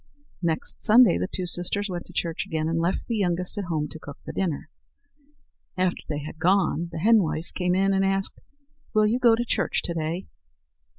Next Sunday the two sisters went to church again and left the youngest at home to cook the dinner. After they had gone, the henwife came in and asked: "Will you go to church to day?"